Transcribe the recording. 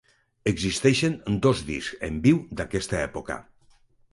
Existeixen dos discs en viu d'aquesta època.